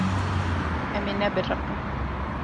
Em ê nebiriqin.